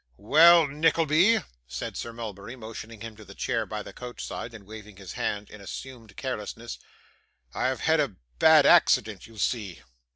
'Well, Nickleby,' said Sir Mulberry, motioning him to the chair by the couch side, and waving his hand in assumed carelessness, 'I have had a bad accident, you see.